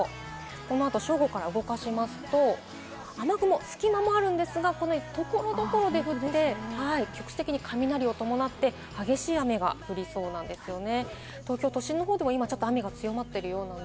このあと正午から動かしますと、雨雲、隙間もあるんですが、所々で降って局地的に雷を伴って激しい雨が降りそうなんですよね。